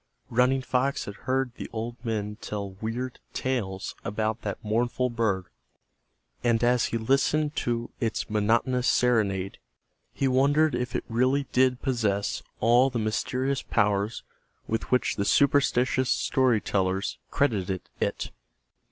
Running Fox had heard the old men tell weird tales about that mournful bird, and as he listened to its monotonous serenade he wondered if it really did possess all the mysterious powers with which the superstitions story tellers credited it.